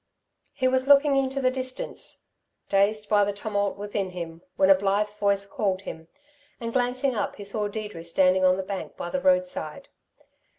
He was looking into the distance, dazed by the tumult within him, when a blithe voice called him, and glancing up he saw Deirdre standing on the bank by the roadside.